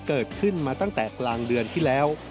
เกิดขึ้นมาตั้งแต่กลางเดือนที่แล้ว